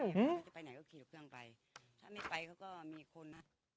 หืมไปไหนก็เขียนเพื่อนไปถ้าไม่ไปเขาก็มีคน